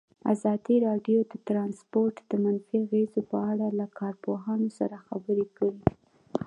ازادي راډیو د ترانسپورټ د منفي اغېزو په اړه له کارپوهانو سره خبرې کړي.